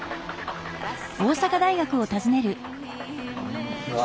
こんにちは。